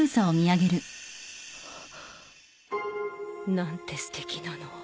何てすてきなの。